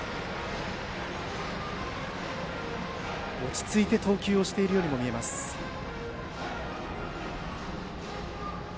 落ち着いて投球しているようにも見えます、升田。